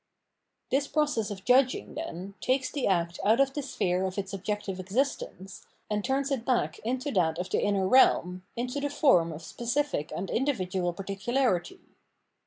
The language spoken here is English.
This process of judging, then, takes the act out of the sphere of its objective existence, and turns it back into that of the inner realm, into the form of specific and individual particularity.